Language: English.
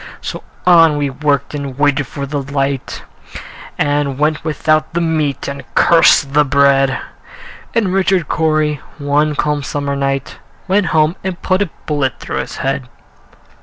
So on we worked, and waited for the light, And went without the meat, and cursed the bread; And Richard Cory, one calm summer night, Went home and put a bullet through his head.